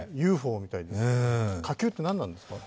ＵＦＯみたいですね、火球って何なんですか？